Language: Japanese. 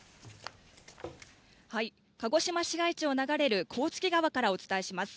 はい、鹿児島市街地を流れる甲突川からお伝えします。